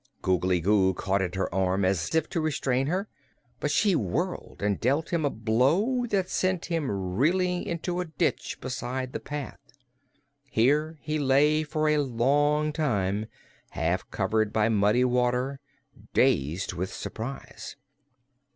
Googly Goo caught at her arm, as if to restrain her, but she whirled and dealt him a blow that sent him reeling into a ditch beside the path. Here he lay for a long time, half covered by muddy water, dazed with surprise.